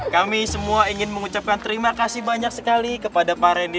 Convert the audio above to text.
kami semua ingin mengucapkan terima kasih banyak sekali kepada pak randy